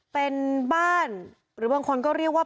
เป็นบ้านหรือบางคนก็เรียกว่า